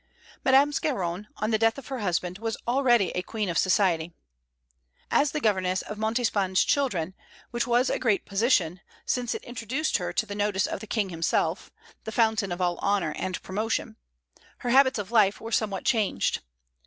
Madame Scarron, on the death of her husband, was already a queen of society. As the governess of Montespan's children, which was a great position, since it introduced her to the notice of the King himself, the fountain of all honor and promotion, her habits of life were somewhat changed.